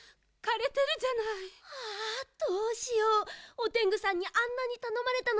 オテングさんにあんなにたのまれたのに。